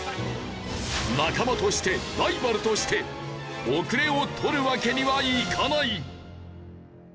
仲間としてライバルとして後れを取るわけにはいかない。